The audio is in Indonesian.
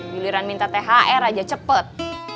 giliran minta thr aja cepet